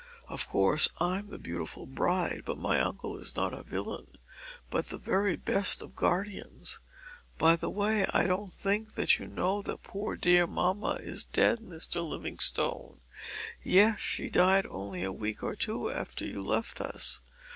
Of course I'm the beautiful bride, but my uncle is not a villain, but the very best of guardians by the way, I don't think that you know that poor dear mamma is dead, Mr. Livingstone? Yes, she died only a week or two after you left us.